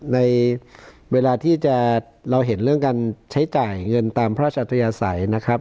ในเวลาที่จะเราเห็นเรื่องการใช้จ่ายเงินตามพระราชอัธยาศัยนะครับ